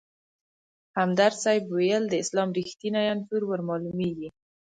همدرد صیب ویل: د اسلام رښتیني انځور ورمالومېږي.